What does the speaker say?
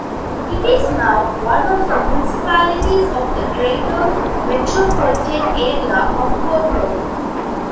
It is now one of the municipalities of the Greater Metropolitan Area of Porto.